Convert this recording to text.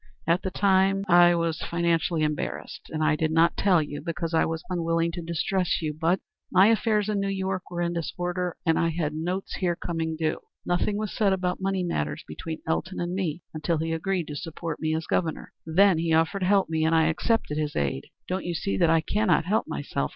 At the time, I I was financially embarrassed. I did not tell you because I was unwilling to distress you, but er my affairs in New York were in disorder, and I had notes here coming due. Nothing was said about money matters between Elton and me until he had agreed to support me as Governor. Then he offered to help me, and I accepted his aid. Don't you see that I cannot help myself?